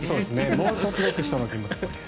もうちょっとだけ人の気持ちも。